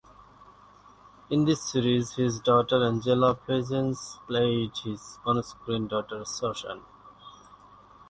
In this series his daughter Angela Pleasence played his onscreen daughter Susan.